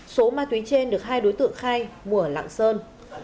số ma túy trên được hai đối tượng khai mua ở lạng sơn